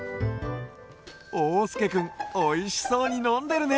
おうすけくんおいしそうにのんでるね！